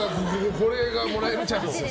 これがもらえるチャンスです。